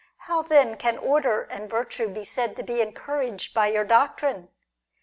How then can order and virtue be said to be encouraged by your doctrine ?